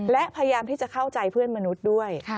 และพยายามที่จะเข้าใจเพื่อนมนุษย์ด้วย